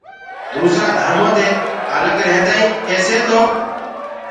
دوسرآ ڌرمودي الگ ريهدآئينٚ ڪيسي تو